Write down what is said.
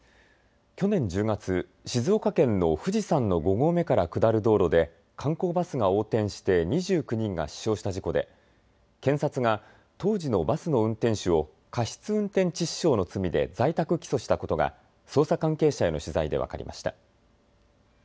去年１０月、静岡県の富士山の５合目から下る道路で観光バスが横転して２９人が死傷した事故で検察が当時のバスの運転手を過失運転致死傷の罪で在宅起訴したことが捜査関係者への取材で分かりました。